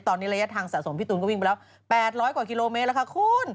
ตอนนี้ระยะทางสะสมพี่ตูนก็วิ่งไปแล้ว๘๐๐กว่ากิโลเมตรแล้วค่ะคุณ